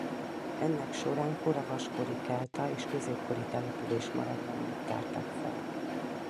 Ennek során kora vaskori kelta és középkori település maradványait tárták fel.